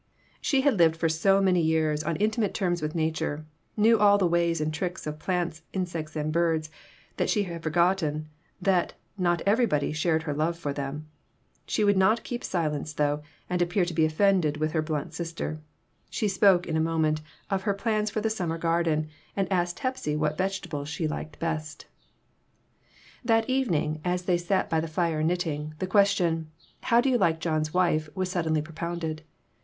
She had lived for so many years on intimate terms with Nature, knew all the ways and tricks of plants, insects and birds, that she had forgotten but that everybody shared her love for them. She would not keep silence, though, and appear to be offended with her blunt sister. She spoke, in a moment, of her plans for the summer garden, and asked Hepsy what vege tables she liked best. PERTURBATIONS. 6 1 That evening, as they sat by the fire knitting, the question, "How do you like John's wife?" was suddenly propounded.